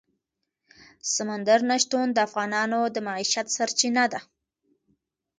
سمندر نه شتون د افغانانو د معیشت سرچینه ده.